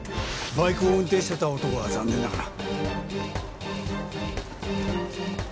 バイクを運転していた男は残念ながら。